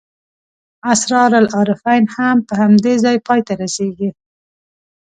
اسرار العارفین هم په همدې ځای پای ته رسېږي.